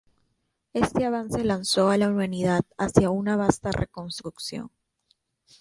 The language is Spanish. Este avance lanzó a la humanidad hacia una vasta reconstrucción.